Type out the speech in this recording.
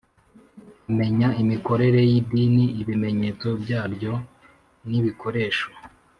Amenya imikorere y’idini ibimenyetso byaryo n’ibikoresho